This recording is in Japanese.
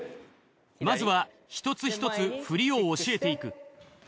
まずは一つ一つ振りを教えていく。